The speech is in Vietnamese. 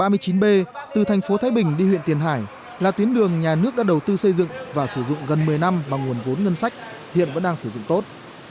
trạm thu phí thứ hai nằm trên trục đường ba mươi chín b từ thành phố thái bình đi huyện tiền hải là tuyến đường nhà nước đã đầu tư xây dựng và sử dụng gần một mươi năm bằng nguồn vốn ngân sách hiện vẫn đang sử dụng tốt